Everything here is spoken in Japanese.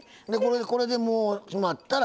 これでもう締まったら。